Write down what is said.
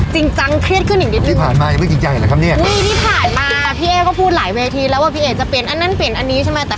จริงจังเพราะเราจะคุยเรื่องนี้ค่อนข้างจริงจังเพราะเราจะคุยเรื่องนี้ค่อนข้างจริงจัง